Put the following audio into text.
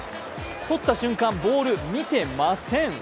とった瞬間、ボール見てません。